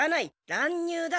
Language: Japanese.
乱入だ。